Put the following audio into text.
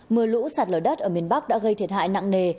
mưa lũ sạt lở đất ở miền bắc đã gây thiệt hại nặng nề